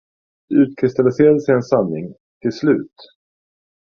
Det utkristalliserade sig en sanning, till slut.